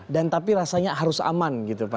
dan tapi rasanya harus aman gitu pak